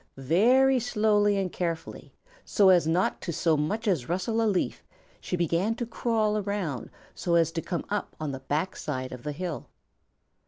Very slowly and carefully, so as not to so much as rustle a leaf, she began to crawl around so as to come up on the back side of the hill.